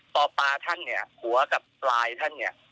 ปลาท่านเนี่ยหัวกับปลายท่านเนี่ย